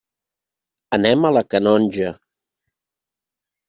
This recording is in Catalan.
Anem a la Canonja.